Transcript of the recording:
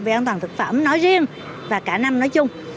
về an toàn thực phẩm nói riêng và cả năm nói chung